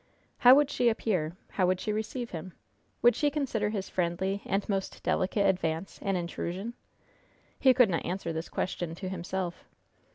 How would she appear? How would she receive him? Would she consider his friendly and most delicate advance an intrusion? He could not answer this question to himself.